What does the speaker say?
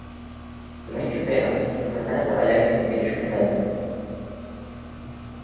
Durante o verão, quero começar a trabalhar em roteiros com Bethan.